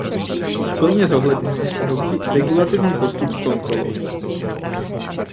Plně zohledňuje nový regulativní postup s kontrolou.